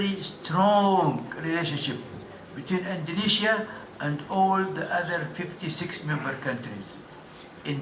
kami mencari hubungan yang sangat kuat antara indonesia dan lima puluh enam negara yang lain